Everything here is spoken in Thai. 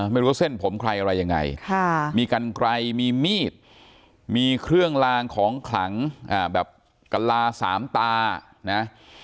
ไม่รู้เส้นผมใครอะไรยังไงมีกันไกลมีมีดมีเครื่องลางของขลังแบบกะลาสามตานะ